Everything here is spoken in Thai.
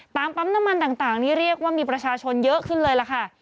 ปั๊มน้ำมันต่างนี่เรียกว่ามีประชาชนเยอะขึ้นเลยล่ะค่ะ